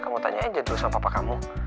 kamu tanya aja dulu sama papa kamu